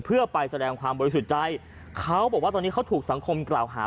เพื่อไปแสดงความบริสุทธิ์ใจเขาบอกว่าตอนนี้เขาถูกสังคมกล่าวหา